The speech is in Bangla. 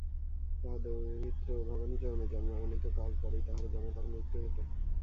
তাঁহার দৌহিত্র ভবানীচরণের জন্মের অনিতকাল পরেই তাঁহার জামাতার মৃত্যু হইল।